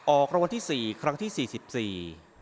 ออกรางวัลที่สี่ครั้งที่สี่สิบสี่